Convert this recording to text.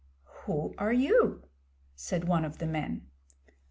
'Who are you?' said one of the men.